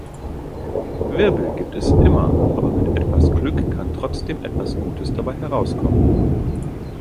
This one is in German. Wirbel gibt es immer, aber mit etwas Glück kann trotzdem etwas Gutes dabei herauskommen.